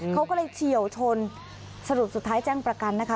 เขาก็เลยเฉียวชนสรุปสุดท้ายแจ้งประกันนะคะ